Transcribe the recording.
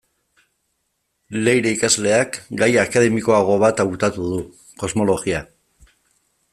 Leire ikasleak, gai akademikoago bat hautatu du: kosmologia.